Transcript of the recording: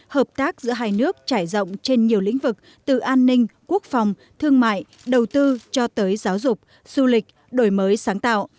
hợp tác giữa hai nước trải rộng trên nhiều lĩnh vực từ an ninh quốc phòng thương mại đầu tư cho tới giáo dục du lịch đổi mới sáng tạo